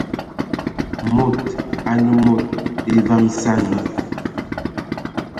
Mod anə mod evam sə ane..